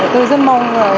tôi rất mong